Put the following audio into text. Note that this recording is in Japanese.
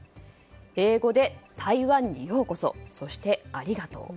英語で、「台湾にようこそ」そして、「ありがとう」。